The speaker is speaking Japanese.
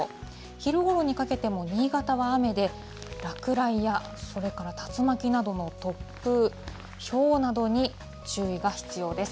昼ごろにかけても新潟は雨で、落雷や、それから竜巻などの突風、ひょうなどに注意が必要です。